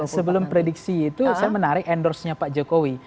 sebelum prediksi itu saya menarik endorse nya pak jokowi